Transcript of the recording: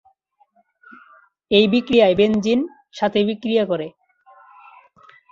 এই বিক্রিয়ায় বেনজিন সাথে বিক্রিয়া করে।